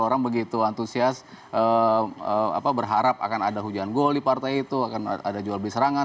orang begitu antusias berharap akan ada hujan gol di partai itu akan ada jual beli serangan